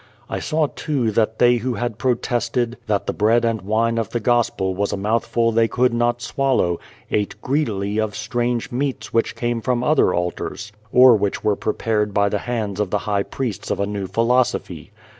I saw, too, that they who had protested that the bread and wine of the Gospel was a mouthful they could not swallow, ate greedily of strange meats which came from other altars, or which were prepared by the hands of the high priests of 190 The Child, the Wise Man a new philosophy.